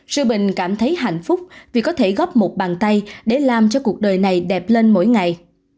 sư bình cảm thấy hạnh phúc vì có thể góp một bàn tay để làm cho cuộc đời này đẹp lên mỗi ngày